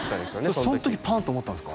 その時パンって思ったんですか？